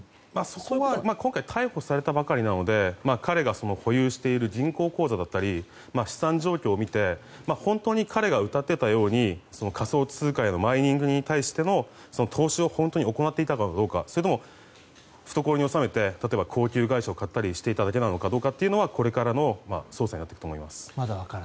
そこは、今回逮捕されたばかりなので彼が保有している銀行口座だったり資産状況を見て本当に彼がうたっていたように仮想通貨へのマイニングに対しての投資を本当に行っていたのかどうかそれか、懐に収めて例えば、高級外車をしていただけなのかどうかはこれからの捜査になっていくと思います。